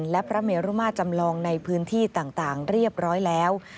และพระเมรุมาจำลองในพื้นที่ต่างเรียบร้อยแล้ว